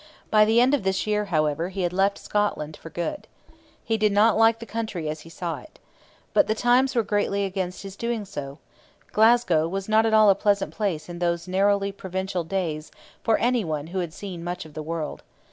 By the end of this year, however, he had left Scotland for good. He did not like the country as he saw it. But the times were greatly against his doing so. Glasgow was not at all a pleasant place in those narrowly provincial days for any one who had seen much of the world.